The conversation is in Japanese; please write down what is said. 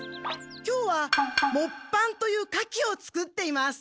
今日はもっぱんという火器を作っています。